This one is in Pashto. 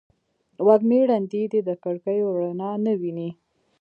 وږمې ړندې دي د کړکېو رڼا نه ویني